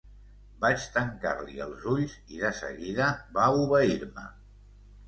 Vaig tancar-li els ulls i de seguida va obeir-me.